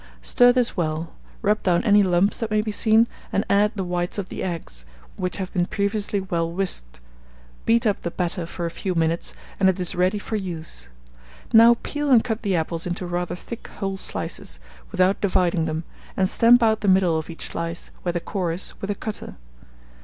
Stir this well, rub down any lumps that may be seen, and add the whites of the eggs, which have been previously well whisked; beat up the batter for a few minutes, and it is ready for use. Now peel and cut the apples into rather thick whole slices, without dividing them, and stamp out the middle of each slice, where the core is, with a cutter.